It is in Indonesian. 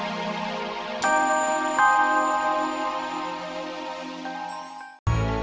aduh mbak diantrean lain luar